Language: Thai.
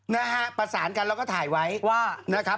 นะฮะประสานกันแล้วก็ถ่ายไว้ว่านะครับ